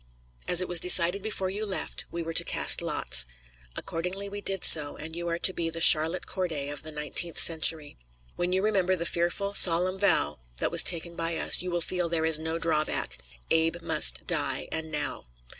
As it was decided before you left, we were to cast lots. Accordingly we did so, and you are to be the Charlotte Corday of the nineteenth century. When you remember the fearful, solemn vow that was taken by us, you will feel there is no drawback Abe must die, and now.